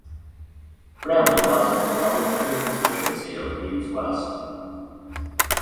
Bramley lies within the Parliamentary constituency of Leeds West.